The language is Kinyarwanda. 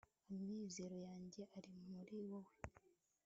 amizero yanjye ari muri wowe